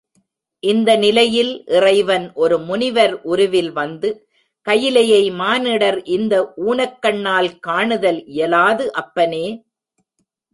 இந்த நிலையில் இறைவன் ஒரு முனிவர் உருவில் வந்து, கயிலையை மானிடர் இந்த ஊனக்கண்ணால் காணுதல் இயலாது அப்பனே!